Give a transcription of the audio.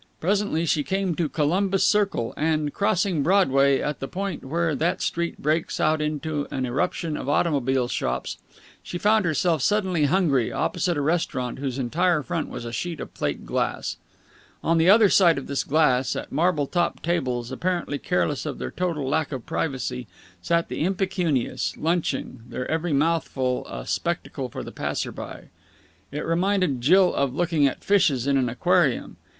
Presently she came to Columbus Circle, and, crossing Broadway at the point where that street breaks out into an eruption of automobile shops, found herself, suddenly hungry, opposite a restaurant whose entire front was a sheet of plate glass. On the other side of this glass, at marble topped tables, apparently careless of their total lack of privacy, sat the impecunious, lunching, their every mouthful a spectacle for the passer by. It reminded Jill of looking at fishes in an aquarium.